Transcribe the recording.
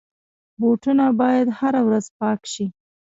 بوټونه باید هره ورځ پاک شي.